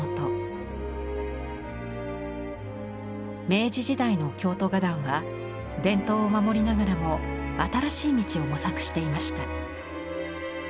明治時代の京都画壇は伝統を守りながらも新しい道を模索していました。